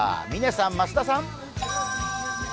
嶺さん、増田さん。